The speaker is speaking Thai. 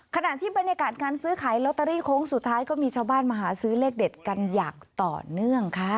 ขณะที่บรรยากาศการซื้อขายลอตเตอรี่โค้งสุดท้ายก็มีชาวบ้านมาหาซื้อเลขเด็ดกันอย่างต่อเนื่องค่ะ